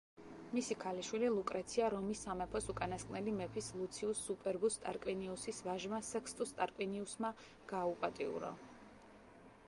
მისი ქალიშვილი ლუკრეცია რომის სამეფოს უკანასკნელი მეფის ლუციუს სუპერბუს ტარკვინიუსის ვაჟმა სექსტუს ტარკვინიუსმა გააუპატიურა.